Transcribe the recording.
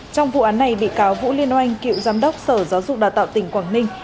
trong vụ án này bị cáo vũ liên oanh cựu giám đốc sở giáo dục đào tạo tỉnh quảng ninh